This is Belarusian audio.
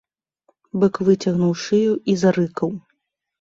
Бык выцягнуў шыю і зарыкаў.